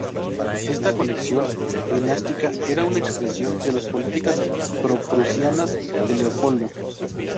Esta conexión dinástica era una expresión de las políticas pro-prusianas de Leopoldo.